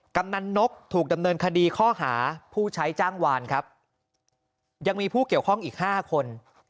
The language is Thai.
กำนันนกถูกดำเนินคดีข้อหาผู้ใช้จ้างวานครับยังมีผู้เกี่ยวข้องอีก๕คน